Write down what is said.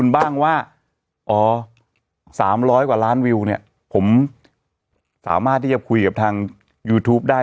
บ้างว่าอ๋อ๓๐๐กว่าล้านวิวเนี่ยผมสามารถที่จะคุยกับทางยูทูปได้